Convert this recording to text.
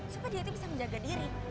supaya dia itu bisa menjaga diri